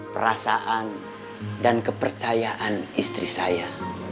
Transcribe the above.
perasaan dan kepercayaan istri saya